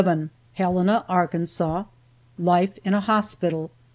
HELENA, ARKANSAS. LIFE IN A HOSPITAL.